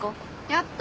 やった！